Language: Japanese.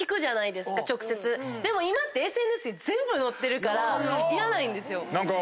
でも今ってＳＮＳに全部載ってるからいらないんですよ。